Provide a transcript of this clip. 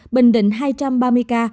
bình định hai trăm ba mươi ca